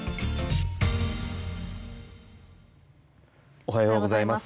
おはようございます。